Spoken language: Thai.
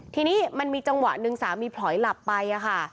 ทีนี้มันมีจังหวะหนึ่งสามีผลอยหลับไปค่ะ